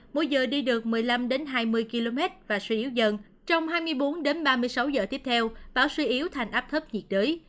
mỗi giờ đi được một mươi năm hai mươi km và suy yếu dần trong hai mươi bốn đến ba mươi sáu giờ tiếp theo bão suy yếu thành áp thấp nhiệt đới